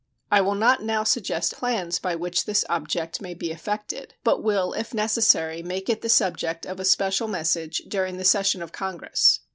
I will not now suggest plans by which this object may be effected, but will, if necessary, make it the subject of a special message during the session of Congress.